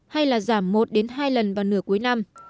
hay là giảm một hai lần vào nửa cuối năm